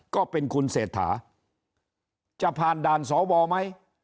ก็เป็นคุณเศรษฐาจะผ่านด่านสวไหม